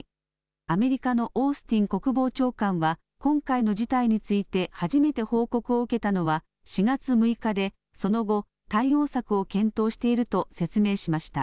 アメリカのオースティン国防長官は今回の事態について初めて報告を受けたのは４月６日でその後、対応策を検討していると説明しました。